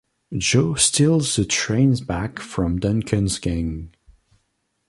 Joe steals the train back from Duncan's gang.